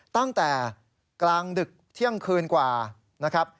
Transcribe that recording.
ตั้งแต่กลางดึกเที่ยงคืนกว่านะครับ